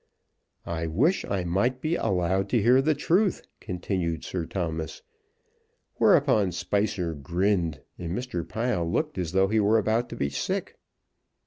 "I wish I might be allowed to hear the truth," continued Sir Thomas. Whereupon Spicer grinned, and Mr. Pile looked as though he were about to be sick.